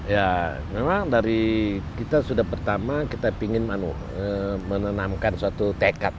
ya memang dari kita sudah pertama kita ingin menanamkan suatu tekad